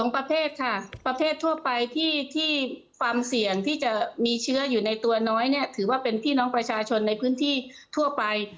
ประเภทค่ะประเภททั่วไปที่ความเสี่ยงที่จะมีเชื้ออยู่ในตัวน้อยเนี่ยถือว่าเป็นพี่น้องประชาชนในพื้นที่ทั่วไป